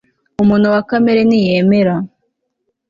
umuntu wa kamere ntiyemera